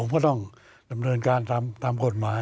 ผมก็ต้องทำแบบเดินการทำตามกฎหมาย